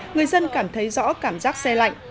người dân cảm thấy rõ cảm giác xe lạnh